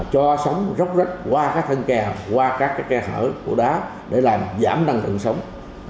cho sóng rốc rớt qua các thân kè qua các kè thở của đá để làm giảm năng lượng sóng